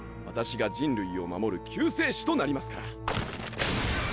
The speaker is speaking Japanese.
私が人類を守る救世主となりますから。